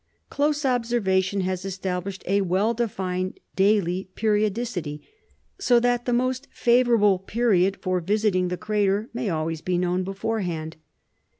Close observation has established a well defined daily periodicity: so that the most favorable period for visiting the crater may always be known beforehand.